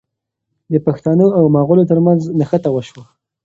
د پښتنو او مغلو ترمنځ نښته وشوه.